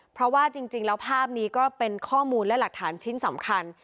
เพราะว่าจริงแล้วภาพนี้ก็เป็นข้อมูลและหลักฐานชิ้นสำคัญ